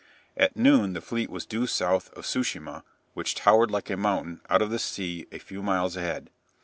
At noon the fleet was due south of Tsu shima, which towered like a mountain out of the sea a few miles ahead.